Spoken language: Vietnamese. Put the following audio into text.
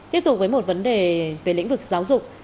tiếp tục với một vấn đề về lĩnh vực giáo dục